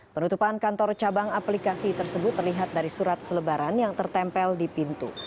penutupan kantor cabang aplikasi tersebut terlihat dari surat selebaran yang tertempel di pintu